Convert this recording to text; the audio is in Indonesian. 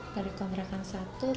dari kontrakan satu